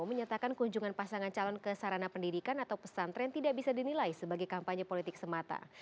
menyatakan kunjungan pasangan calon ke sarana pendidikan atau pesantren tidak bisa dinilai sebagai kampanye politik semata